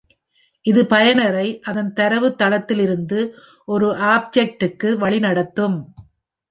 இது பயனரை அதன் தரவுத்தளத்திலிருந்து ஒரு ஆப்ஜெக்ட் -க்கு வழி நடத்தும்.